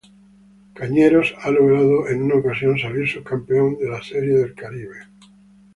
Cañeros ha logrado en una ocasión salir subcampeón de la Serie del Caribe.